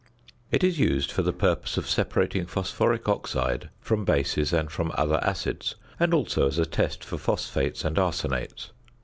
It is used for the purpose of separating phosphoric oxide from bases and from other acids, and also as a test for phosphates and arsenates.